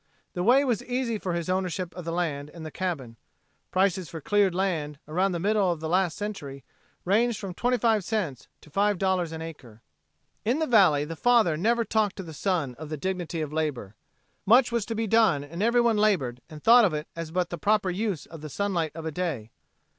The way was easy for his ownership of the land and the cabin. Prices for cleared land, around the middle of the last century, ranged from twenty five cents to five dollars an acre. In the valley the father never talked to the son of the dignity of labor. Much was to be done and everyone labored and thought of it as but the proper use of the sunlight of a day.